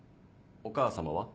お母様は？